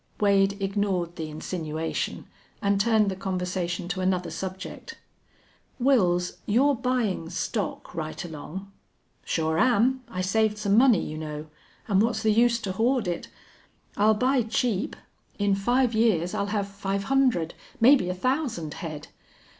Wade ignored the insinuation and turned the conversation to another subject. "Wils, you're buyin' stock right along?" "Sure am. I saved some money, you know. And what's the use to hoard it? I'll buy cheap. In five years I'll have five hundred, maybe a thousand head.